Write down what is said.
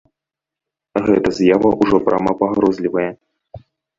Гэта з'ява ўжо прама пагрозлівая.